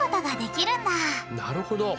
なるほど！